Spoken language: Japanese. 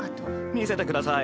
見せてください。